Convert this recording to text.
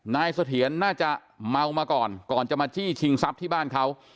เสถียรน่าจะเมามาก่อนก่อนจะมาจี้ชิงทรัพย์ที่บ้านเขา